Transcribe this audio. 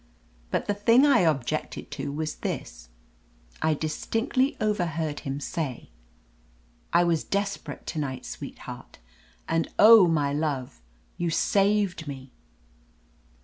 But the thing I objected to was this : I distinctly overheard him say : "I was desperate to night, sweetheart; and, oh, my love, you saved me